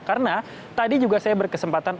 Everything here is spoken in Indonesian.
karena tadi juga saya berkesempatan